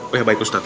oh ya baik ustadz